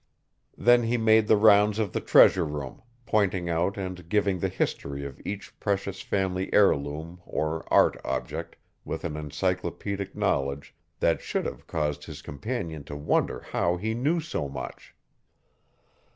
Then he made the rounds of the treasure room, pointing out and giving the history of each precious family heirloom or art object with an encyclopedic knowledge that should have caused his companion to wonder how he knew so much.